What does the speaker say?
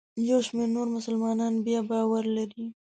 یو شمېر نور مسلمانان بیا باور لري.